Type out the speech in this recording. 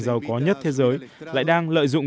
giàu có nhất thế giới lại đang lợi dụng